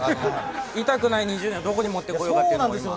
痛くない２０年をどこに持っていこうかと。